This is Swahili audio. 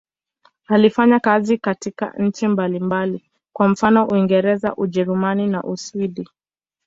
Alifanya kazi katika nchi mbalimbali, kwa mfano Uingereza, Ujerumani na Uswidi.